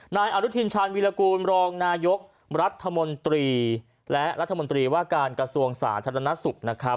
นายอนุทินชาญวิรากูลรองนายกรัฐมนตรีและรัฐมนตรีว่าการกระทรวงสาธารณสุขนะครับ